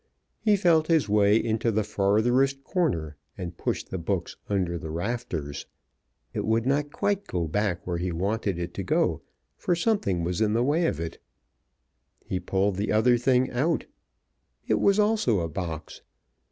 He felt his way into the fartherest corner and pushed the box under the rafters. It would not quite go back where he wanted it to go, for something was in the way of it. He pulled the other thing out. It was also a box.